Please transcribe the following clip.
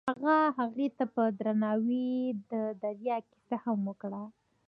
هغه هغې ته په درناوي د دریا کیسه هم وکړه.